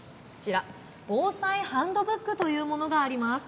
防災ハンドブックというものがあります。